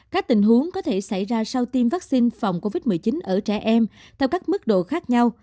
các tình huống có thể xảy ra sau tiêm vaccine phòng covid một mươi chín ở trẻ em theo các mức độ khác nhau